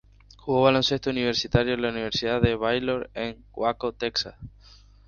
Jugó baloncesto universitario en la Universidad de Baylor en Waco, Texas.